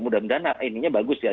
mudah mudahan ininya bagus ya